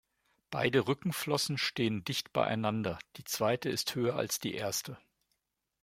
Beide Rückenflossen stehen dicht beieinander, die zweite ist höher als die erste.